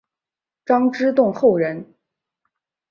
张之洞后人。